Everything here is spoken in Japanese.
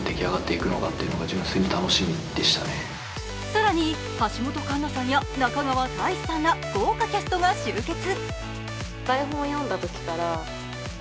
更に、橋本環奈さんや中川大志さんら豪華キャストが集結。